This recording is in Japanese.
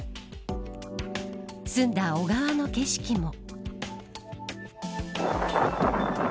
澄んだ小川の景色も。